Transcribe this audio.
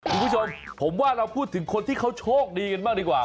คุณผู้ชมผมว่าเราพูดถึงคนที่เขาโชคดีกันบ้างดีกว่า